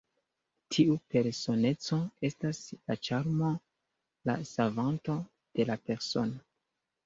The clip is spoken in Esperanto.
Tiu personeco estas la ĉarmo, la savanto de la persono.